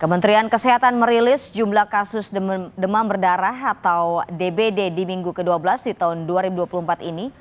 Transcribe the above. kementerian kesehatan merilis jumlah kasus demam berdarah atau dbd di minggu ke dua belas di tahun dua ribu dua puluh empat ini